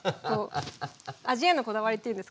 味へのこだわりっていうんですか？